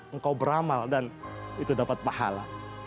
engkau beramal dan itu dapat pahala